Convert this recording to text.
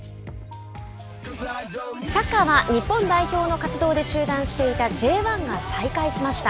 サッカーは日本代表の活動で中断していたＪ１が再開しました。